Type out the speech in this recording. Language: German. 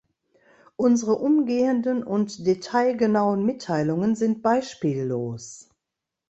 Unsere umgehenden und detailgenauen Mitteilungen sind beispiellos.